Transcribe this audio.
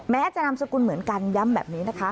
แม้จะนามสกุลเหมือนกันย้ำแบบนี้นะคะ